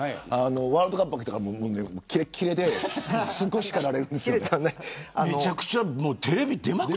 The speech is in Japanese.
ワールドカップが明けてからキレッキレですごい叱られるんです。